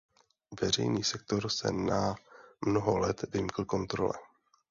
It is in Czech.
Veřejný sektor se na mnoho let vymkl kontrole.